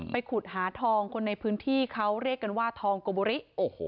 ขุดหาทองคนในพื้นที่เขาเรียกกันว่าทองโกบุริ